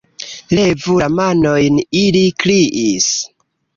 "Levu la manojn", ili kriis.